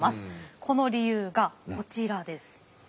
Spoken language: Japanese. この理由がこちらです。